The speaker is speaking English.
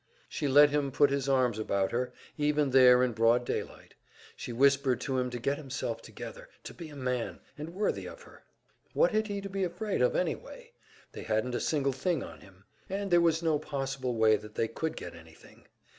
She let him put his arms about her, even there in broad daylight; she whispered to him to get himself together, to be a man, and worthy of her. What had he to be afraid of, anyway? They hadn't a single thing on him, and there was no possible way they could get anything.